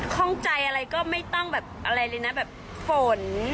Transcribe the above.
ข้องใจอะไรก็ไม่ต้องแบบอะไรเลยนะแบบฝน